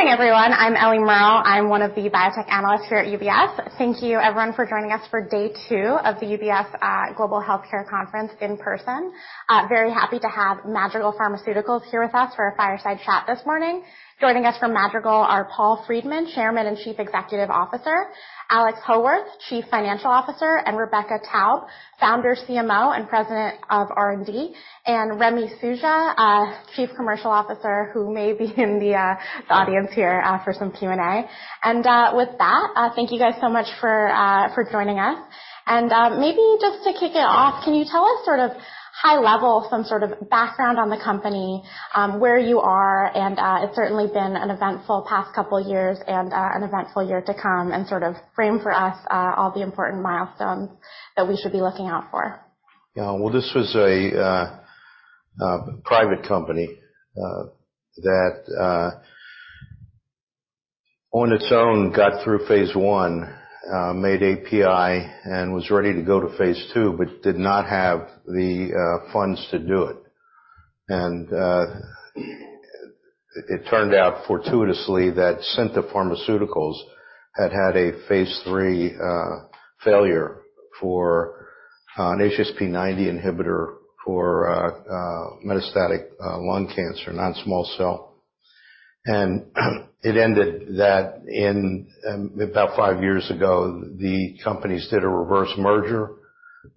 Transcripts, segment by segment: Morning, everyone. I'm Eliana Merle. I'm one of the Biotech Analysts here at UBS. Thank you, everyone, for joining us for day two of the UBS Global Healthcare Conference in person. Very happy to have Madrigal Pharmaceuticals here with us for a fireside chat this morning. Joining us from Madrigal are Paul Friedman, Chairman and Chief Executive Officer. Alex Howarth, Chief Financial Officer, and Rebecca Taub, Founder, CMO and President of R&D, and Remy Sukhija, Chief Commercial Officer, who may be in the audience here for some Q&A. With that, thank you guys so much for joining us. Maybe just to kick it off, can you tell us sort of high-level some sort of background on the company, where you are, and it's certainly been an eventful past couple of years and an eventful year to come and sort of frame for us all the important milestones that we should be looking out for? Yeah. Well, this was a private company that on its own got through phase I, made API and was ready to go to phase II, but did not have the funds to do it. It turned out fortuitously that Synta Pharmaceuticals had had a phase III failure for an HSP90 inhibitor for metastatic lung cancer, non-small cell. It ended that in about five years ago, the companies did a reverse merger.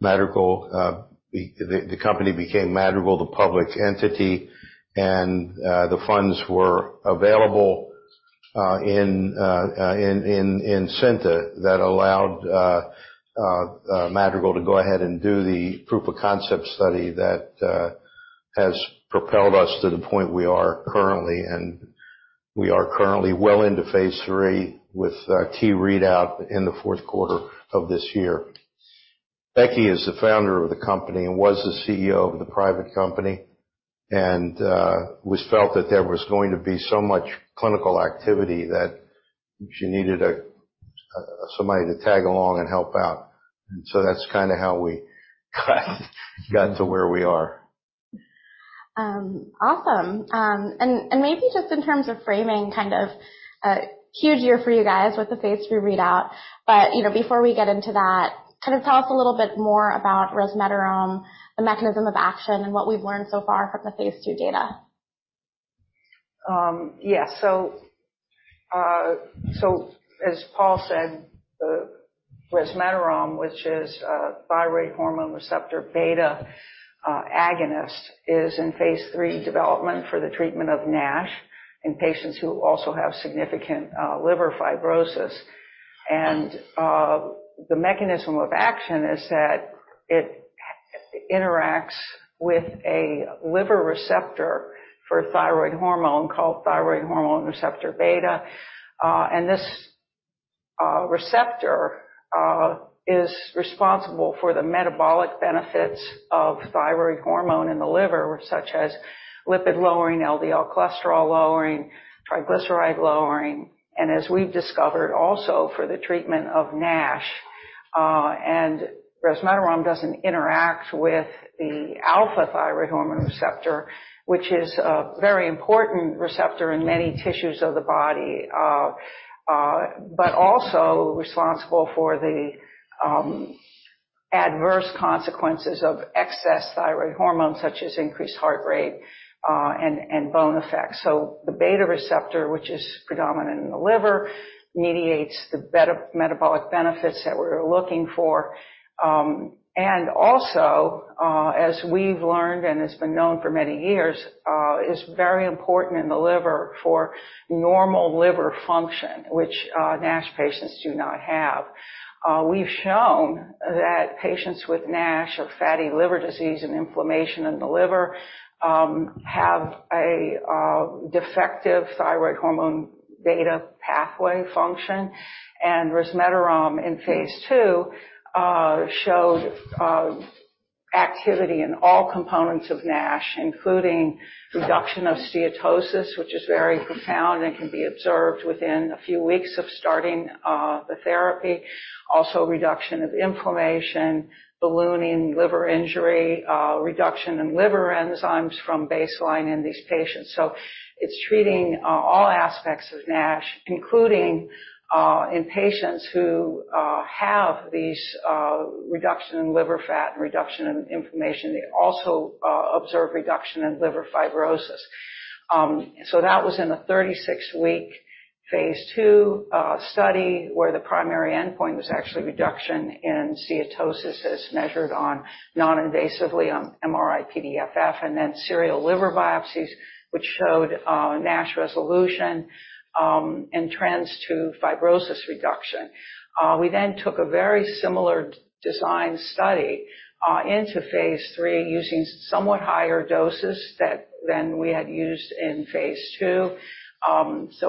Madrigal, the company became Madrigal, the public entity, and the funds were available in Synta that allowed Madrigal to go ahead and do the proof of concept study that has propelled us to the point we are currently. We are currently well into phase III with a key readout in the fourth quarter of this year. Becky is the founder of the company and was the CEO of the private company, and it was felt that there was going to be so much clinical activity that she needed a somebody to tag along and help out. That's kinda how we got to where we are. Awesome. Maybe just in terms of framing kind of a huge year for you guys with the phase III readout. You know, before we get into that, kind of tell us a little bit more about resmetirom, the mechanism of action, and what we've learned so far from the phase II data? Yes. As Paul said, resmetirom, which is a thyroid hormone receptor beta agonist, is in phase III development for the treatment of NASH in patients who also have significant liver fibrosis. The mechanism of action is that it interacts with a liver receptor for thyroid hormone called thyroid hormone receptor beta. This receptor is responsible for the metabolic benefits of thyroid hormone in the liver, such as lipid-lowering, LDL cholesterol-lowering, triglyceride-lowering, and as we've discovered, also for the treatment of NASH. Resmetirom doesn't interact with the thyroid hormone receptor alpha, which is a very important receptor in many tissues of the body, but also responsible for the adverse consequences of excess thyroid hormone, such as increased heart rate and bone effects. The beta receptor, which is predominant in the liver, mediates the metabolic benefits that we're looking for. As we've learned and it's been known for many years, is very important in the liver for normal liver function, which NASH patients do not have. We've shown that patients with NASH or fatty liver disease and inflammation in the liver have a defective thyroid hormone beta pathway function. Resmetirom in phase II showed activity in all components of NASH, including reduction of steatosis, which is very profound and can be observed within a few weeks of starting the therapy. Also reduction of inflammation, ballooning liver injury, reduction in liver enzymes from baseline in these patients. It's treating all aspects of NASH, including in patients who have these reduction in liver fat and reduction in inflammation. They also observe reduction in liver fibrosis. That was in the 36-week phase II study, where the primary endpoint was actually reduction in steatosis as measured non-invasively on MRI-PDFF and then serial liver biopsies, which showed NASH resolution and trends to fibrosis reduction. We then took a very similar design study into phase III using somewhat higher doses than that we had used in phase II.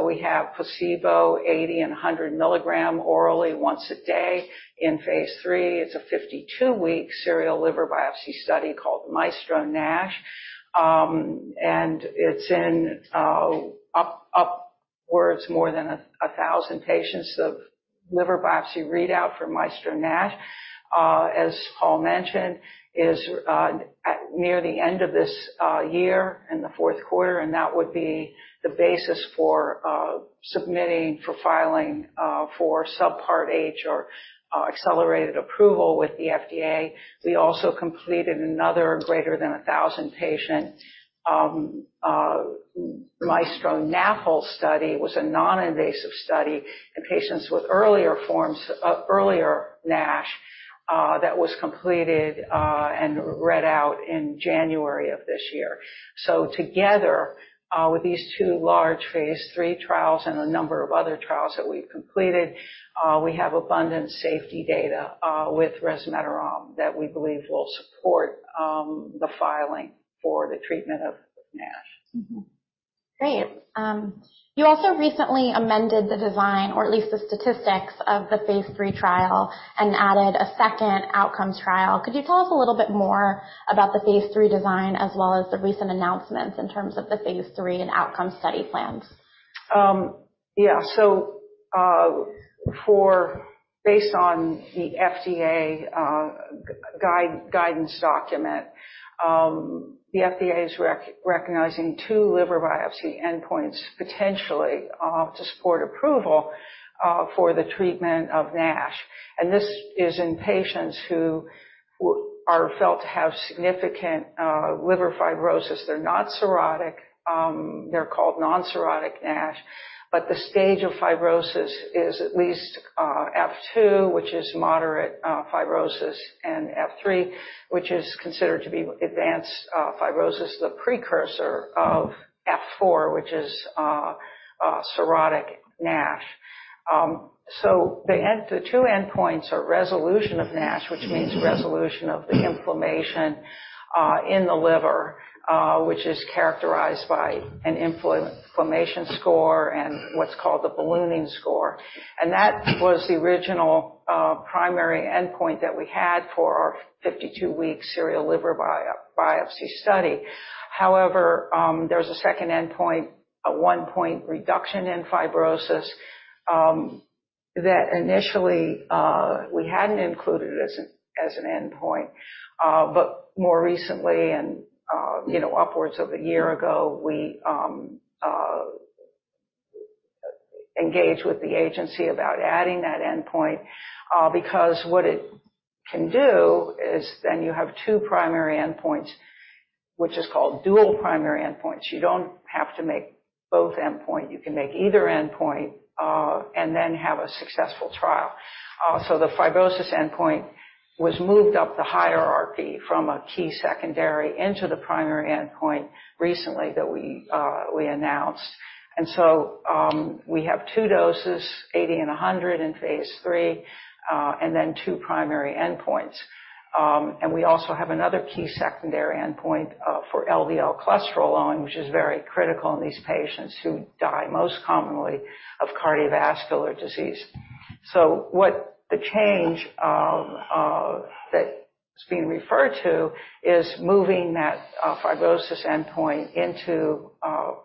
We have placebo, 80 mg and 100 mg orally once a day. In phase III, it's a 52-week serial liver biopsy study called MAESTRO-NASH. It's in upwards of more than 1,000 patients of liver biopsy readout for MAESTRO-NASH, as Paul mentioned, near the end of this year in the fourth quarter, and that would be the basis for submitting for filing for Subpart H or accelerated approval with the FDA. We also completed another greater than 1,000-patient MAESTRO-NAFLD study. It was a non-invasive study in patients with earlier forms of NASH that was completed and read out in January of this year. Together with these two large phase III trials and a number of other trials that we've completed, we have abundant safety data with resmetirom that we believe will support the filing for the treatment of NASH. Great. You also recently amended the design or at least the statistics of the phase III trial and added a second outcomes trial. Could you tell us a little bit more about the phase III design as well as the recent announcements in terms of the phase III and outcome study plans? Based on the FDA guidance document, the FDA is recognizing two liver biopsy endpoints potentially to support approval for the treatment of NASH. This is in patients who are felt to have significant liver fibrosis. They're not cirrhotic. They're called non-cirrhotic NASH, but the stage of fibrosis is at least F2, which is moderate fibrosis, and F3, which is considered to be advanced fibrosis, the precursor of F4, which is cirrhotic NASH. The two endpoints are resolution of NASH, which means resolution of the inflammation in the liver, which is characterized by an inflammation score and what's called the ballooning score. That was the original primary endpoint that we had for our 52-week serial liver biopsy study. However, there's a second endpoint, a 1-point reduction in fibrosis, that initially we hadn't included as an endpoint. More recently and, you know, upwards of a year ago, we engaged with the agency about adding that endpoint, because what it can do is then you have two primary endpoints, which is called dual primary endpoints. You don't have to make both endpoint. You can make either endpoint, and then have a successful trial. The fibrosis endpoint was moved up the hierarchy from a key secondary into the primary endpoint recently that we announced. We have two doses, 80 mg and 100 mg in phase III, and then two primary endpoints. We also have another key secondary endpoint for LDL cholesterol alone, which is very critical in these patients who die most commonly of cardiovascular disease. What the change that's being referred to is moving that fibrosis endpoint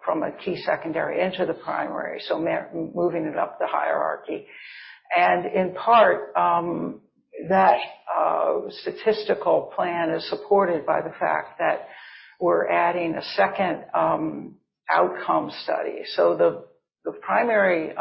from a key secondary into the primary, moving it up the hierarchy. In part, that statistical plan is supported by the fact that we're adding a second outcome study. The primary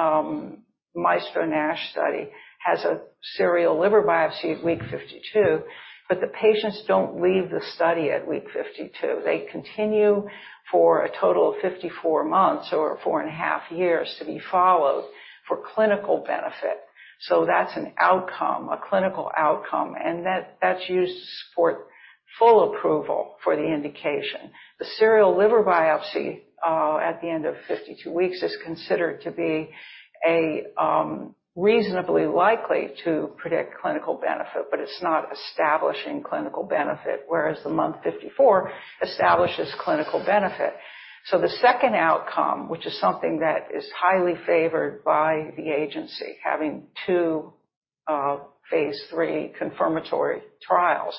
MAESTRO-NASH study has a serial liver biopsy at week 52, but the patients don't leave the study at week 52. They continue for a total of 54 months or 4.5 years to be followed for clinical benefit. That's an outcome, a clinical outcome. That's used to support full approval for the indication. The serial liver biopsy at the end of 52 weeks is considered to be reasonably likely to predict clinical benefit, but it's not establishing clinical benefit, whereas the month 54 establishes clinical benefit. The second outcome, which is something that is highly favored by the agency, having two phase III confirmatory trials,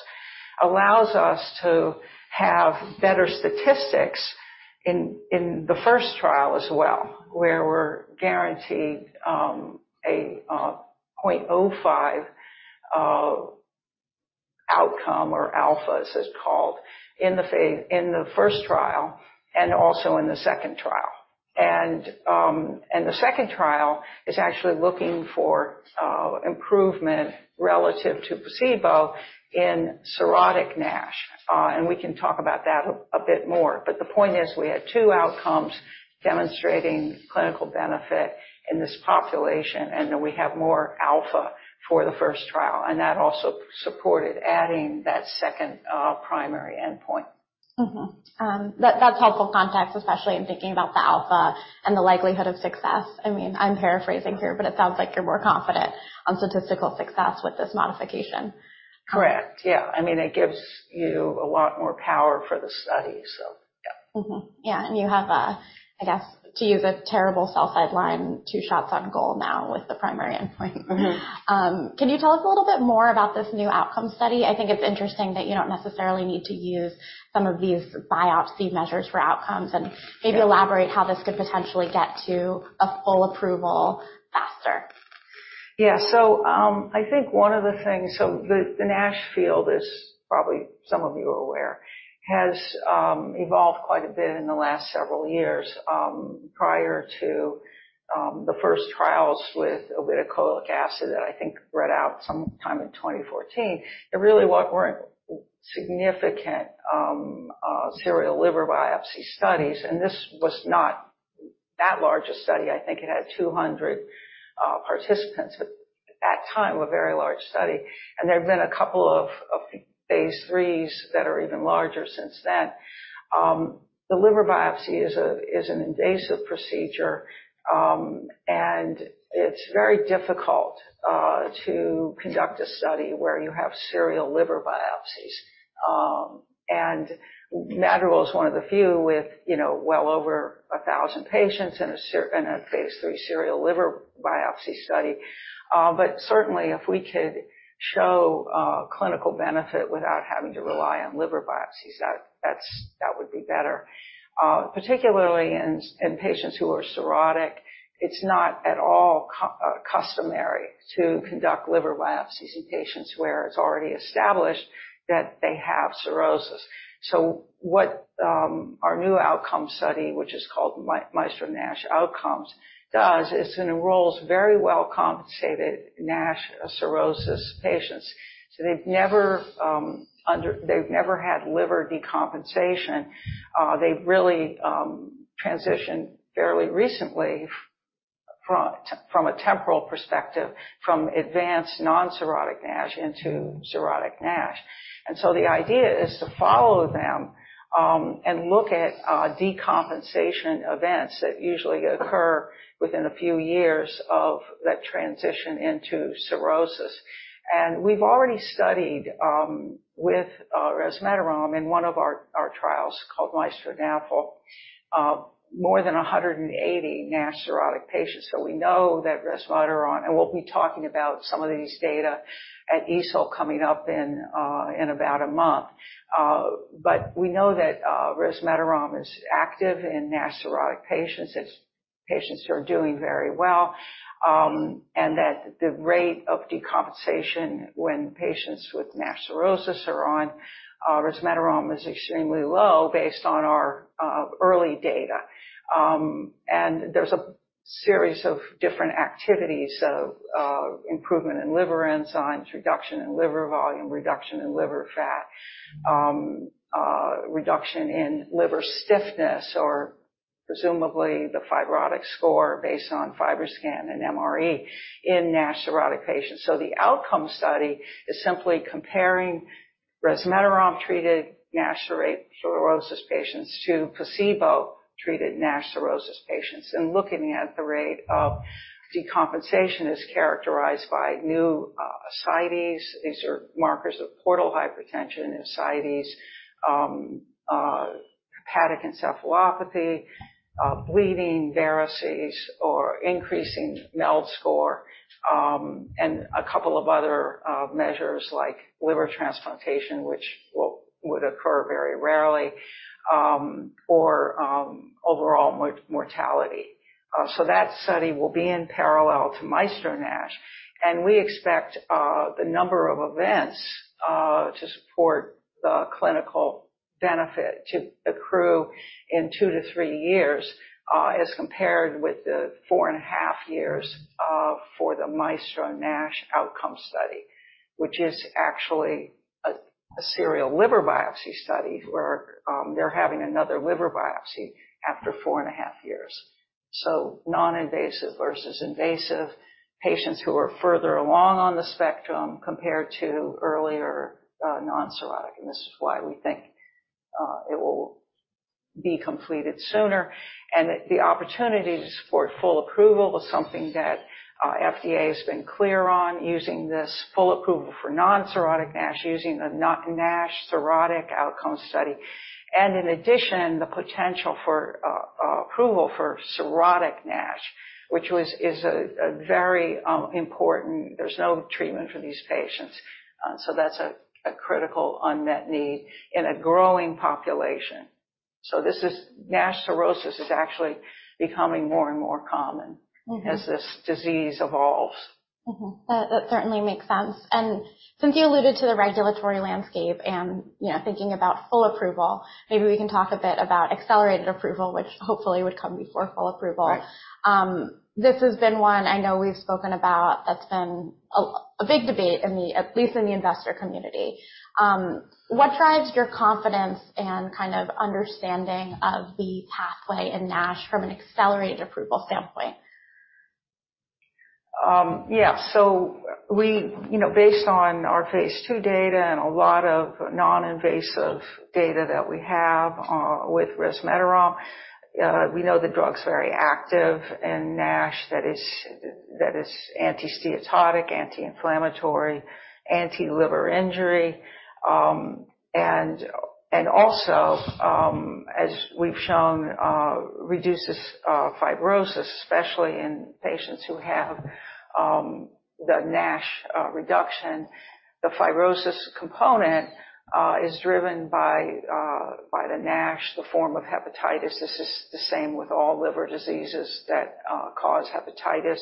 allows us to have better statistics in the first trial as well, where we're guaranteed a 0.05 outcome or alpha, as it's called, in the first trial and also in the second trial. The second trial is actually looking for improvement relative to placebo in cirrhotic NASH. We can talk about that a bit more. The point is, we had two outcomes demonstrating clinical benefit in this population, and then we have more alpha for the first trial, and that also supported adding that second primary endpoint. That's helpful context, especially in thinking about the alpha and the likelihood of success. I mean, I'm paraphrasing here, but it sounds like you're more confident on statistical success with this modification. Correct. Yeah. I mean, it gives you a lot more power for the study. Yeah. You have a, I guess, to use a terrible sell-side line, 2 shots on goal now with the primary endpoint. Can you tell us a little bit more about this new outcome study? I think it's interesting that you don't necessarily need to use some of these biopsy measures for outcomes and maybe elaborate how this could potentially get to a full approval faster? I think one of the things the NASH field is probably some of you are aware has evolved quite a bit in the last several years. Prior to the first trials with obeticholic acid that I think read out some time in 2014. There really weren't significant serial liver biopsy studies. This was not that large a study. I think it had 200 participants at that time, a very large study. There have been a couple of phase III's that are even larger since then. The liver biopsy is an invasive procedure, and it's very difficult to conduct a study where you have serial liver biopsies. Madrigal is one of the few with, you know, well over 1,000 patients in a phase III serial liver biopsy study. Certainly if we could show clinical benefit without having to rely on liver biopsies, that would be better. Particularly in patients who are cirrhotic, it's not at all customary to conduct liver biopsies in patients where it's already established that they have cirrhosis. What our new outcome study, which is called MAESTRO-NASH OUTCOMES, does is it enrolls very well compensated NASH cirrhosis patients. They've never had liver decompensation. They've really transitioned fairly recently from a temporal perspective from advanced non-cirrhotic NASH into cirrhotic NASH. The idea is to follow them and look at decompensation events that usually occur within a few years of that transition into cirrhosis. We've already studied with resmetirom in one of our trials called MAESTRO-NAFLD more than 180 NASH cirrhotic patients. We know that resmetirom, and we'll be talking about some of these data at EASL coming up in about a month. We know that resmetirom is active in NASH cirrhotic patients. It's patients who are doing very well, and that the rate of decompensation when patients with NASH cirrhosis are on resmetirom is extremely low based on our early data. There's a series of different activities of improvement in liver enzymes, reduction in liver volume, reduction in liver fat, reduction in liver stiffness, or presumably the fibrotic score based on FibroScan and MRE in NASH cirrhotic patients. The outcome study is simply comparing resmetirom-treated NASH cirrhosis patients to placebo-treated NASH cirrhosis patients and looking at the rate of decompensation as characterized by new ascites. These are markers of portal hypertension, ascites, hepatic encephalopathy, bleeding varices or increasing MELD score, and a couple of other measures like liver transplantation, which would occur very rarely, or overall mortality. That study will be in parallel to MAESTRO-NASH, and we expect the number of events to support the clinical benefit to accrue in 2-3 years, as compared with the 4.5 years for the MAESTRO-NASH OUTCOMES. Which is actually a serial liver biopsy study where they're having another liver biopsy after 4.5 years. Non-invasive versus invasive patients who are further along on the spectrum compared to earlier non-cirrhotic. This is why we think it will be completed sooner and that the opportunity to support full approval was something that FDA has been clear on using this full approval for non-cirrhotic NASH, using a NASH cirrhotic outcome study. In addition, the potential for approval for cirrhotic NASH, which is a very important. There's no treatment for these patients, so that's a critical unmet need in a growing population. This is NASH cirrhosis is actually becoming more and more common as this disease evolves. That certainly makes sense. Since you alluded to the regulatory landscape and, you know, thinking about full approval, maybe we can talk a bit about accelerated approval, which hopefully would come before full approval. Right. This has been one I know we've spoken about that's been a big debate in the, at least in the investor community. What drives your confidence and kind of understanding of the pathway in NASH from an accelerated approval standpoint? Yeah. You know, based on our phase II data and a lot of non-invasive data that we have with resmetirom, we know the drug's very active in NASH, that is anti-steatotic, anti-inflammatory, anti-liver injury. Also, as we've shown, reduces fibrosis, especially in patients who have the NASH reduction. The fibrosis component is driven by the NASH, the form of hepatitis. This is the same with all liver diseases that cause hepatitis.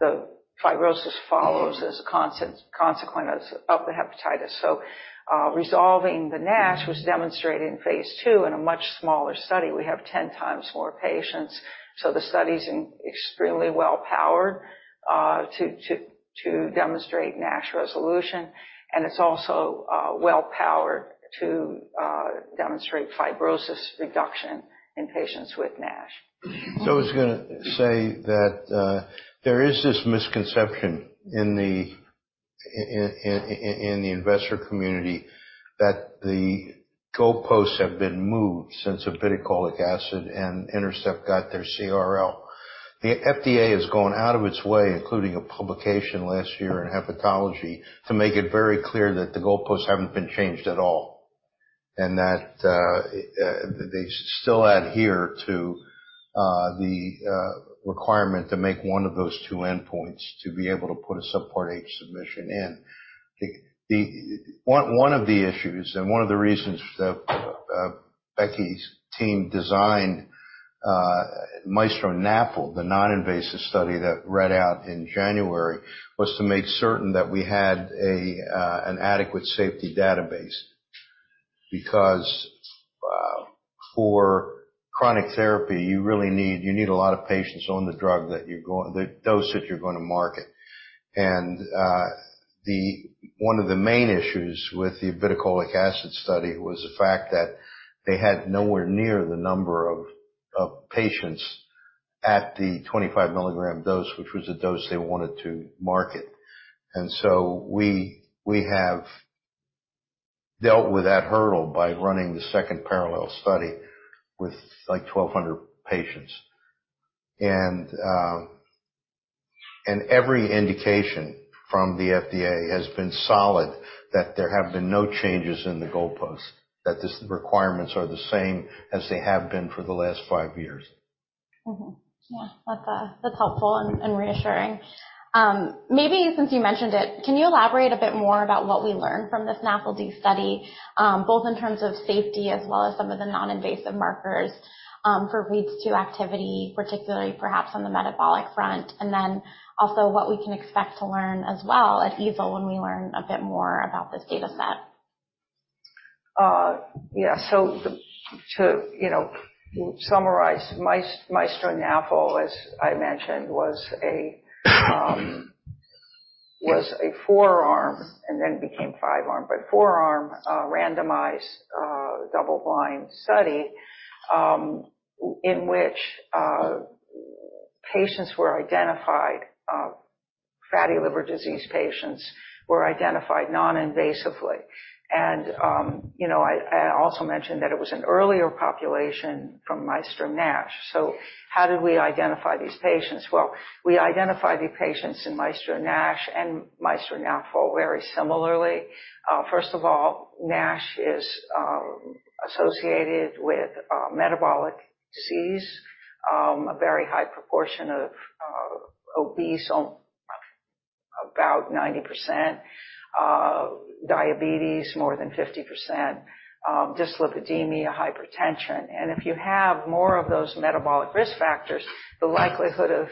The fibrosis follows as a consequence of the hepatitis. Resolving the NASH was demonstrated in phase II in a much smaller study. We have 10 times more patients, so the study is extremely well-powered to demonstrate NASH resolution, and it's also well-powered to demonstrate fibrosis reduction in patients with NASH. I was gonna say that there is this misconception in the investor community that the goalposts have been moved since obeticholic acid and Intercept got their CRL. The FDA has gone out of its way, including a publication last year in Hepatology, to make it very clear that the goalposts haven't been changed at all, and that they still adhere to the requirement to make one of those two endpoints to be able to put a Subpart H submission in. One of the issues and one of the reasons that Becky's team designed MAESTRO-NAFLD, the non-invasive study that read out in January, was to make certain that we had an adequate safety database. Because for chronic therapy, you really need a lot of patients on the drug at the dose that you're gonna market. One of the main issues with the obeticholic acid study was the fact that they had nowhere near the number of patients at the 25 mg dose, which was the dose they wanted to market. We have dealt with that hurdle by running the second parallel study with like 1,200 patients. Every indication from the FDA has been solid that there have been no changes in the goalpost, that these requirements are the same as they have been for the last 5 years. Yeah. That's helpful and reassuring. Maybe since you mentioned it, can you elaborate a bit more about what we learned from this NAFLD study, both in terms of safety as well as some of the non-invasive markers for resmetirom activity, particularly perhaps on the metabolic front? What we can expect to learn as well at EASL when we learn a bit more about this data set? To, you know, summarize, MAESTRO-NAFLD, as I mentioned, was a four-arm, and then became five-arm, but four-arm, randomized, double-blind study, in which fatty liver disease patients were identified non-invasively. You know, I also mentioned that it was an earlier population from MAESTRO-NASH. How did we identify these patients? Well, we identified the patients in MAESTRO-NASH and MAESTRO-NAFLD very similarly. First of all, NASH is associated with metabolic disease, a very high proportion of obese, about 90%, diabetes more than 50%, dyslipidemia, hypertension. If you have more of those metabolic risk factors, the likelihood of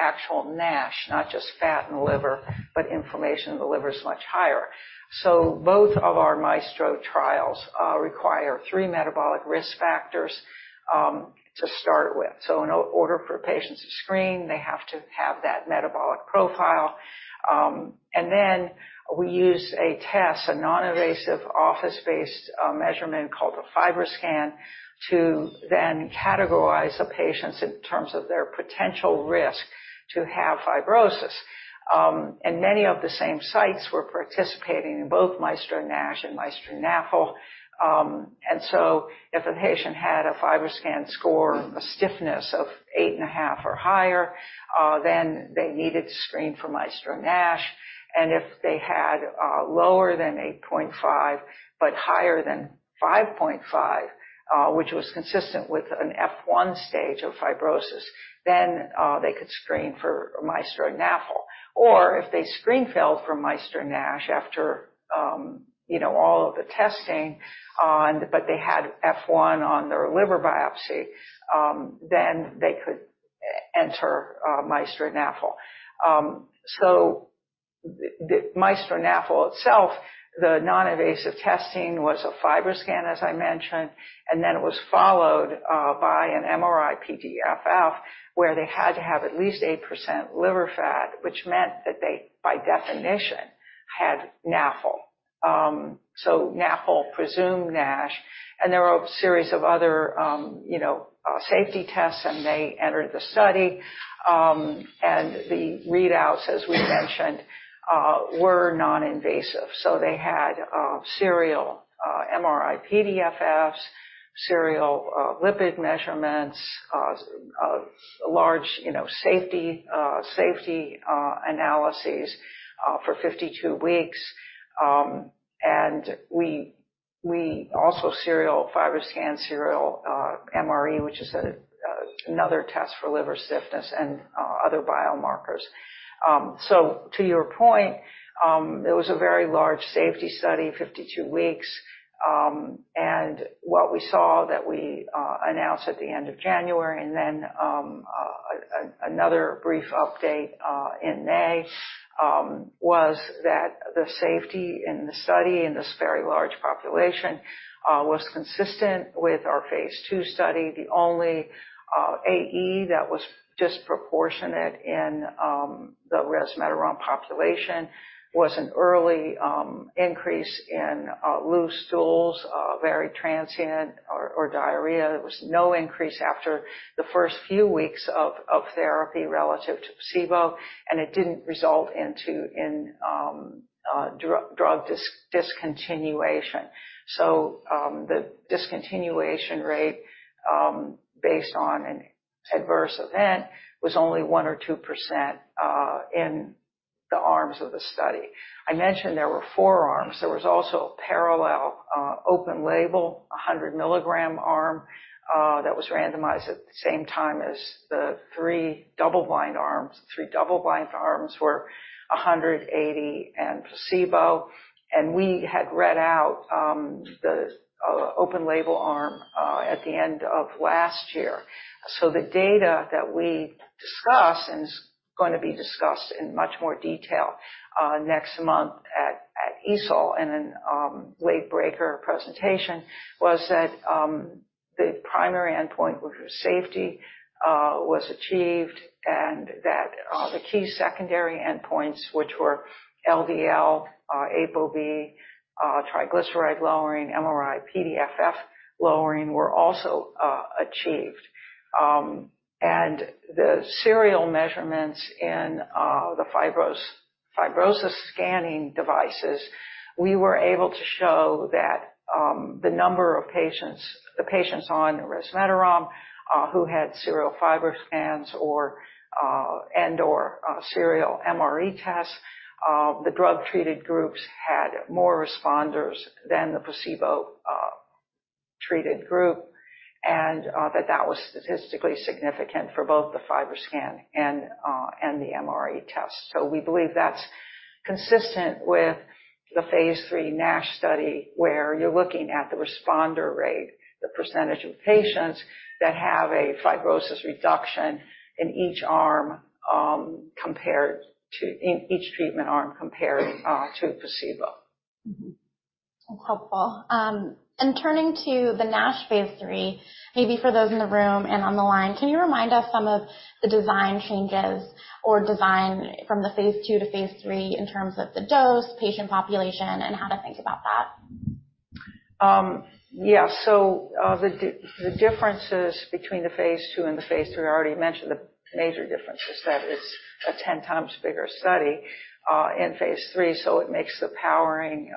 actual NASH, not just fat in the liver, but inflammation in the liver, is much higher. Both of our MAESTRO trials require three metabolic risk factors to start with. In order for patients to screen, they have to have that metabolic profile. Then we use a test, a non-invasive office-based measurement called a FibroScan, to then categorize the patients in terms of their potential risk to have fibrosis. Many of the same sites were participating in both MAESTRO-NASH and MAESTRO-NAFLD. If a patient had a FibroScan score, a stiffness of 8.5 or higher, then they needed to screen for MAESTRO-NASH. If they had lower than 8.5 but higher than 5.5, which was consistent with an F1 stage of fibrosis, then they could screen for MAESTRO-NAFLD. If they screen failed for MAESTRO-NASH after, you know, all of the testing, but they had F1 on their liver biopsy, then they could enter MAESTRO-NAFLD. The MAESTRO-NAFLD itself, the non-invasive testing was a FibroScan, as I mentioned, and then it was followed by an MRI-PDFF, where they had to have at least 8% liver fat, which meant that they, by definition, had NAFLD. NAFLD presumed NASH, and there were a series of other, you know, safety tests, and they entered the study. The readouts, as we mentioned, were non-invasive. They had serial MRI-PDFFs. Serial lipid measurements, you know, safety analyses for 52 weeks. We also serial FibroScan, serial MRE, which is another test for liver stiffness and other biomarkers. To your point, it was a very large safety study, 52 weeks. What we saw that we announced at the end of January and then another brief update in May was that the safety in the study, in this very large population, was consistent with our phase II study. The only AE that was disproportionate in the resmetirom population was an early increase in loose stools, very transient or diarrhea. There was no increase after the first few weeks of therapy relative to placebo, and it didn't result into drug discontinuation. The discontinuation rate based on an adverse event was only 1 or 2% in the arms of the study. I mentioned there were four arms. There was also a parallel open label 100 mg arm that was randomized at the same time as the three double blind arms. The three double blind arms were 100 mg, 80 mg and placebo. We had read out the open label arm at the end of last year. The data that we discussed and is gonna be discussed in much more detail next month at EASL and then late-breaker presentation was that the primary endpoint, which was safety, was achieved and that the key secondary endpoints, which were LDL, ApoB, triglyceride lowering, MRI-PDFF lowering, were also achieved. The serial measurements in the fibrosis scanning devices, we were able to show that the patients on resmetirom who had serial FibroScans or and/or serial MRE tests, the drug-treated groups had more responders than the placebo-treated group, and that was statistically significant for both the FibroScan and the MRE test. We believe that's consistent with the phase III NASH study, where you're looking at the responder rate, the percentage of patients that have a fibrosis reduction in each treatment arm compared to placebo. That's helpful. Turning to the NASH phase III, maybe for those in the room and on the line, can you remind us some of the design changes or design from the phase II to phase III in terms of the dose, patient population, and how to think about that? The differences between the phase II and the phase III, I already mentioned the major difference is that it's a 10 times bigger study in phase III, so it makes the powering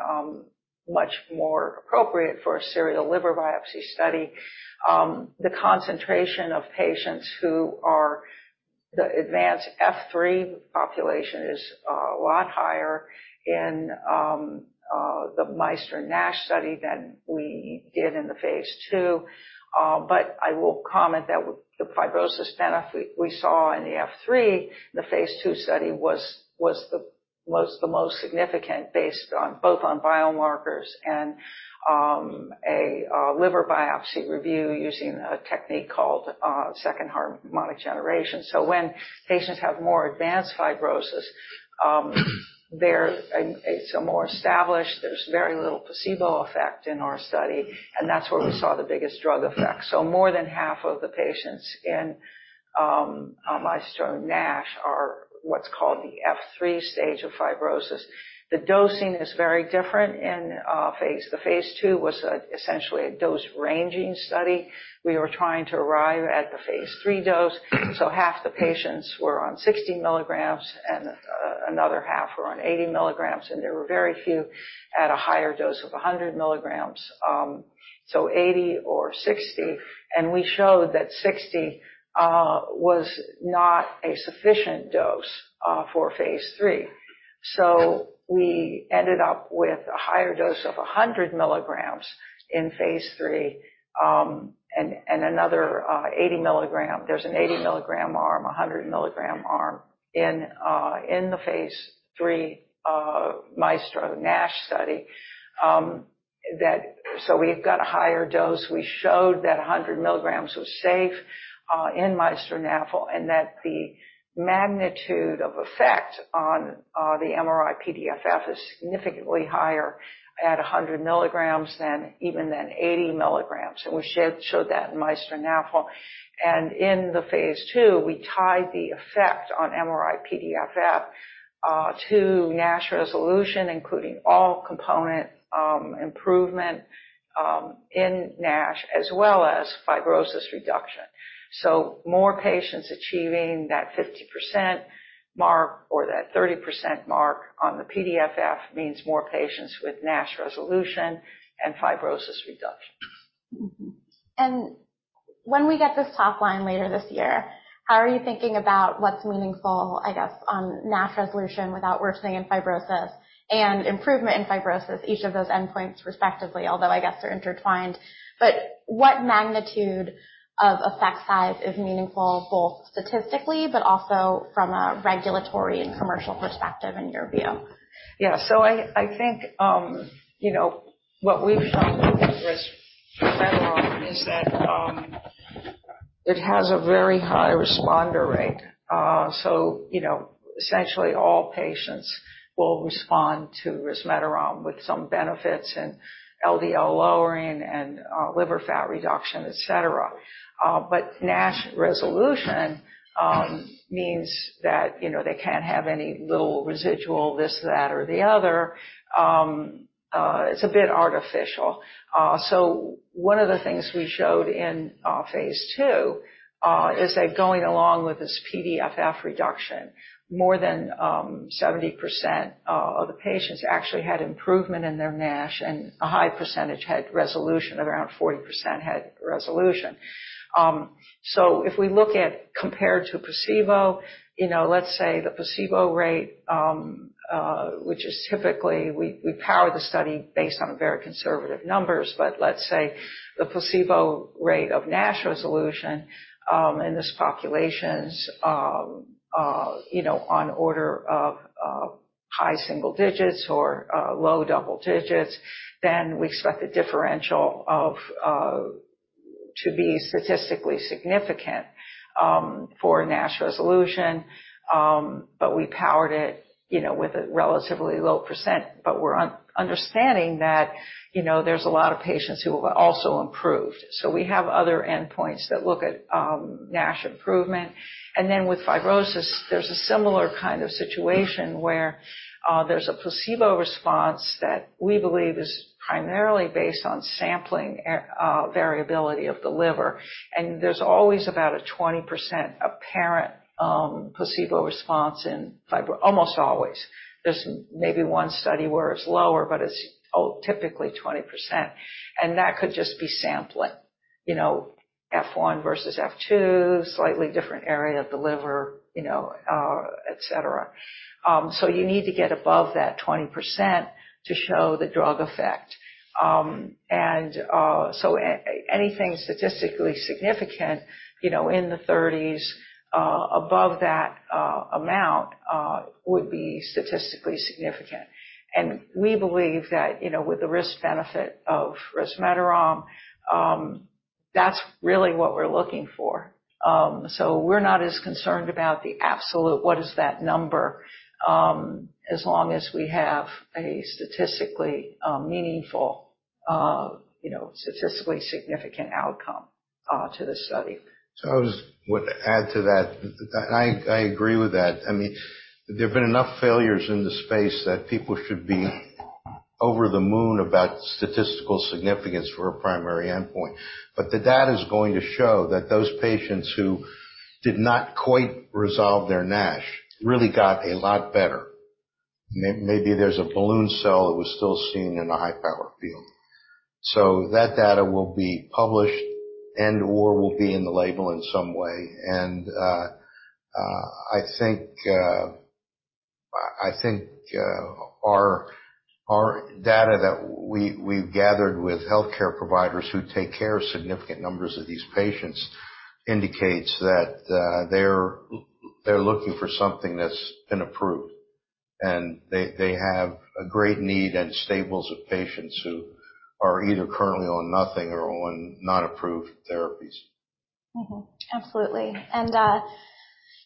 much more appropriate for a serial liver biopsy study. The concentration of patients who are the advanced F3 population is a lot higher in the MAESTRO-NASH study than we did in the phase II. But I will comment that the fibrosis benefit we saw in the F3, the phase II study was the most significant based on both biomarkers and a liver biopsy review using a technique called second harmonic generation. When patients have more advanced fibrosis, it's more established. There's very little placebo effect in our study, and that's where we saw the biggest drug effect. More than half of the patients in MAESTRO-NASH are what's called the F3 stage of fibrosis. The dosing is very different in phase. The phase II was essentially a dose-ranging study. We were trying to arrive at the phase III dose, so half the patients were on 60 mg and another half were on 80 mg, and there were very few at a higher dose of 100 mg. 80 mg or 60 mg. We showed that 60 mg was not a sufficient dose for phase III. We ended up with a higher dose of 100 mg in phase III, and another 80 mg. There's an 80 mg arm, a 100 mg arm in the phase III MAESTRO-NASH study. We've got a higher dose. We showed that 100 mg was safe in MAESTRO-NAFLD, and that the magnitude of effect on the MRI-PDFF is significantly higher at 100 mg than even than 80 mg. We showed that in MAESTRO-NAFLD. In the phase II, we tied the effect on MRI-PDFF to NASH resolution, including all component improvement in NASH, as well as fibrosis reduction. More patients achieving that 50% mark or that 30% mark on the PDFF means more patients with NASH resolution and fibrosis reduction. When we get this top line later this year, how are you thinking about what's meaningful, I guess, on NASH resolution without worsening in fibrosis and improvement in fibrosis, each of those endpoints respectively, although I guess they're intertwined. What magnitude of effect size is meaningful, both statistically but also from a regulatory and commercial perspective in your view? Yeah. I think you know what we've found with resmetirom is that it has a very high responder rate. You know, essentially all patients will respond to resmetirom with some benefits in LDL lowering and liver fat reduction, etc. NASH resolution means that you know they can't have any little residual this, that, or the other. It's a bit artificial. One of the things we showed in phase II is that going along with this PDFF reduction, more than 70% of the patients actually had improvement in their NASH, and a high percentage had resolution. Around 40% had resolution. If we look at compared to placebo, you know, let's say the placebo rate, which is typically we power the study based on very conservative numbers. Let's say the placebo rate of NASH resolution in these populations, you know, on the order of high single digits or low double digits, then we expect the differential to be statistically significant for NASH resolution. We powered it, you know, with a relatively low percent. We're understanding that, you know, there's a lot of patients who have also improved. We have other endpoints that look at NASH improvement. With fibrosis, there's a similar kind of situation where there's a placebo response that we believe is primarily based on sampling variability of the liver. There's always about a 20% apparent placebo response in fibrosis. Almost always. There's maybe one study where it's lower, but it's typically 20%. That could just be sampling. You know, F1 versus F2, slightly different area of the liver, you know, etc. You need to get above that 20% to show the drug effect. Anything statistically significant, you know, in the thirties, above that amount, would be statistically significant. We believe that, you know, with the risk benefit of resmetirom, that's really what we're looking for. We're not as concerned about the absolute what is that number, as long as we have a statistically meaningful, you know, statistically significant outcome to the study. I just would add to that. I agree with that. I mean, there have been enough failures in the space that people should be over the moon about statistical significance for a primary endpoint. But the data is going to show that those patients who did not quite resolve their NASH really got a lot better. Maybe there's a ballooning cell that was still seen in a high-power field. That data will be published and/or will be in the label in some way. I think our data that we've gathered with healthcare providers who take care of significant numbers of these patients indicates that they're looking for something that's been approved. They have a great need and stables of patients who are either currently on nothing or on non-approved therapies. Absolutely.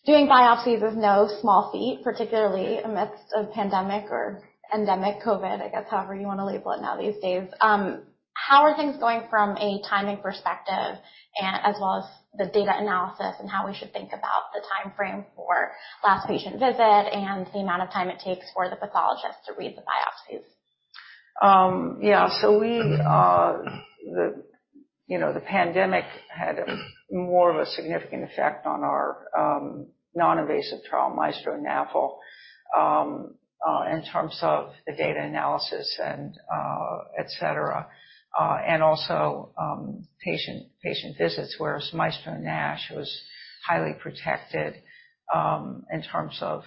Doing biopsies is no small feat, particularly amidst a pandemic or endemic COVID, I guess however you want to label it now these days. How are things going from a timing perspective and as well as the data analysis and how we should think about the timeframe for last patient visit and the amount of time it takes for the pathologist to read the biopsies? Yeah, you know, the pandemic had more of a significant effect on our non-invasive trial, MAESTRO-NAFLD, in terms of the data analysis and etc. Also, patient visits, whereas MAESTRO-NASH was highly protected, in terms of,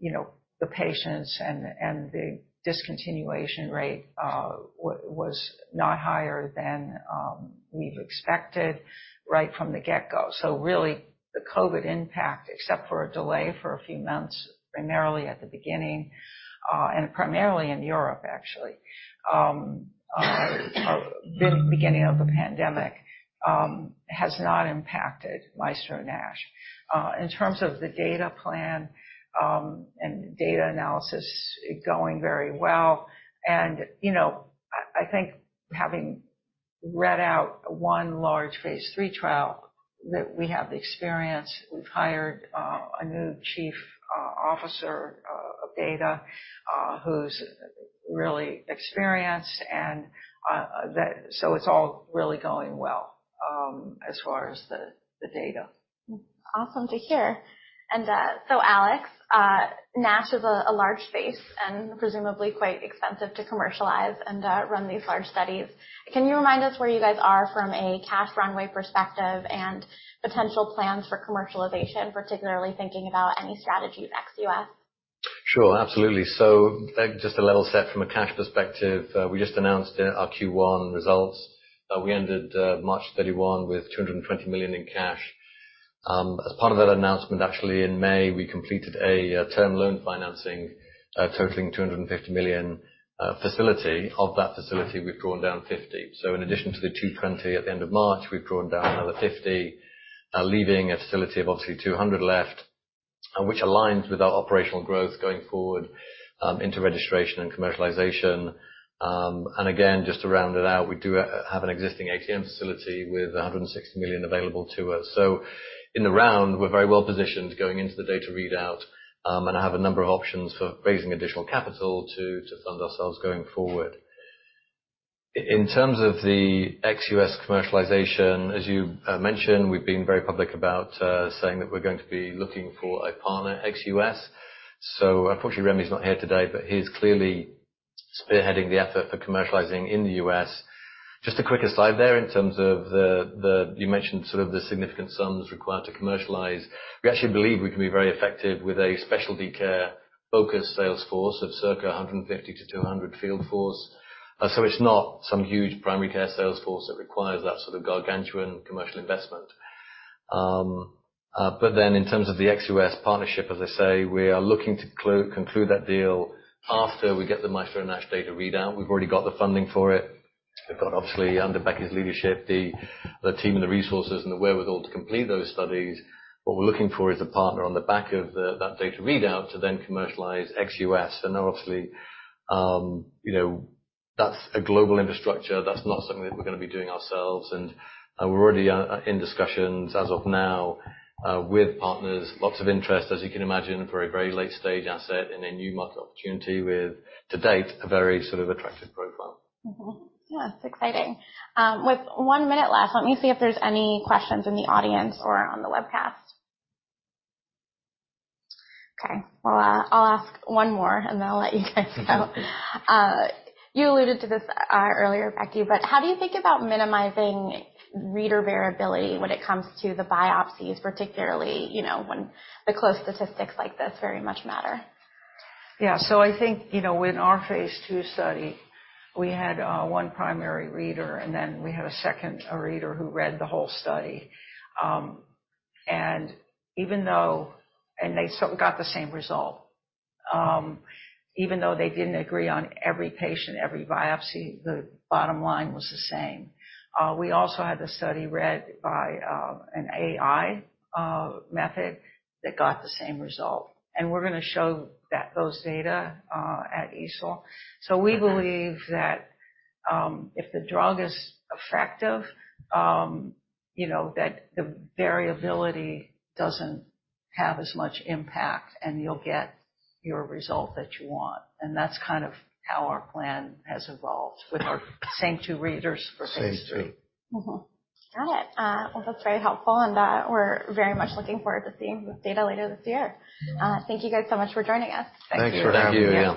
you know, the patients and the discontinuation rate, was not higher than we've expected right from the get-go. Really the COVID impact, except for a delay for a few months, primarily at the beginning and primarily in Europe, actually, the beginning of the pandemic, has not impacted MAESTRO-NASH. In terms of the data plan and data analysis, going very well. You know, I think having read out one large phase III trial, that we have the experience. We've hired a new Chief Data Officer who's really experienced, and so it's all really going well as far as the data. Awesome to hear. Alex, NASH is a large space and presumably quite expensive to commercialize and run these large studies. Can you remind us where you guys are from a cash runway perspective and potential plans for commercialization, particularly thinking about any strategy with ex U.S.? Sure. Absolutely. Just a level set from a cash perspective, we just announced our Q1 results. We ended March 31 with $220 million in cash. As part of that announcement, actually in May, we completed a term loan financing, totaling $250 million facility. Of that facility, we've drawn down $50 million. In addition to the $220 million at the end of March, we've drawn down another $50 million, leaving a facility of obviously $200 million left, which aligns with our operational growth going forward, into registration and commercialization. Again, just to round it out, we do have an existing ATM facility with $160 million available to us. In the round, we're very well positioned going into the data readout, and have a number of options for raising additional capital to fund ourselves going forward. In terms of ex-U.S. commercialization, as you mentioned, we've been very public about saying that we're going to be looking for a partner ex-U.S.. Unfortunately, Remy's not here today, but he's clearly spearheading the effort for commercializing in the U.S. Just a quick aside there, in terms of you mentioned sort of the significant sums required to commercialize. We actually believe we can be very effective with a specialty care-focused sales force of circa 150-200 field force. It's not some huge primary care sales force that requires that sort of gargantuan commercial investment. In terms of the ex U.S. partnership, as I say, we are looking to conclude that deal after we get the MAESTRO-NASH data readout. We've already got the funding for it. We've got obviously under Becky's leadership, the team and the resources and the wherewithal to complete those studies. What we're looking for is a partner on the back of that data readout to then commercialize ex U.S. Now obviously, you know, that's a global infrastructure. That's not something that we're going to be doing ourselves. We're already in discussions as of now with partners. Lots of interest, as you can imagine, for a very late stage asset and a new market opportunity with to date, a very sort of attractive profile. Yeah, it's exciting. With one minute left, let me see if there's any questions in the audience or on the webcast. Okay. Well, I'll ask one more, and then I'll let you guys go. You alluded to this earlier, Becky, but how do you think about minimizing reader variability when it comes to the biopsies, particularly, you know, when the close statistics like this very much matter? Yeah. I think, you know, in our phase II study, we had one primary reader, and then we had a second reader who read the whole study. Even though they didn't agree on every patient, every biopsy, the bottom line was the same. We also had the study read by an AI method that got the same result. We're gonna show those data at EASL. We believe that if the drug is effective, you know, that the variability doesn't have as much impact and you'll get your result that you want. That's kind of how our plan has evolved with our same 2 readers for phase II. Same two. Got it. Well, that's very helpful. We're very much looking forward to seeing this data later this year. Thank you guys so much for joining us. Thanks for having us. Thank you.